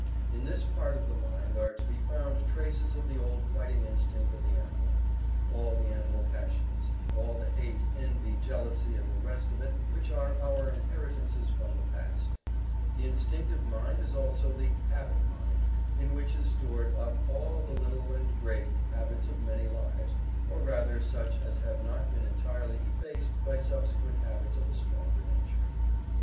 In this part of the mind are to be found traces of the old fighting instinct of the animal; all the animal passions; all the hate, envy, jealousy, and the rest of it, which are our inheritances from the past. The Instinctive Mind is also the "habit mind" in which is stored up all the little, and great, habits of many lives, or rather such as have not been entirely effaced by subsequent habits of a stronger nature.